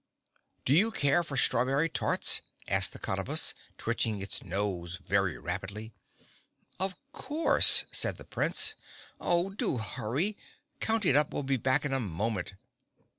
"Do you care for strawberry tarts?" asked the Cottabus, twitching its nose very rapidly. "Of course," said the Prince. "Oh! Do hurry. Count It Up will be back in a moment!"